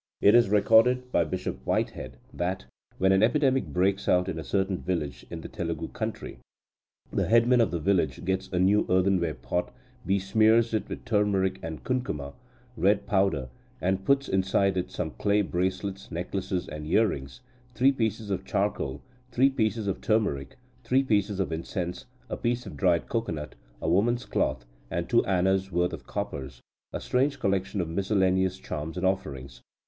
It is recorded by Bishop Whitehead that, when an epidemic breaks out in a certain village in the Telugu country, "the headman of the village gets a new earthenware pot, besmears it with turmeric and kunkuma (red powder), and puts inside it some clay bracelets, necklaces, and earrings, three pieces of charcoal, three pieces of turmeric, three pieces of incense, a piece of dried cocoanut, a woman's cloth, and two annas worth of coppers a strange collection of miscellaneous charms and offerings.